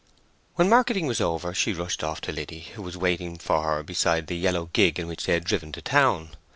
When marketing was over, she rushed off to Liddy, who was waiting for her beside the yellow gig in which they had driven to town.